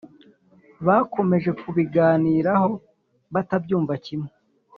bakomeje kubiganiraho batabyumva kimwe